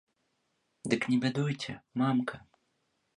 Дык не бядуйце, мамка!